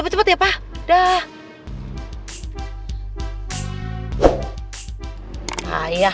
nanti mon ya